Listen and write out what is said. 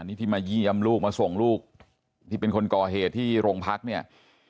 นี่ที่มาเยี่ยมลูกมาส่งลูกที่เป็นคนก่อเหตุที่โรงพักเนี่ย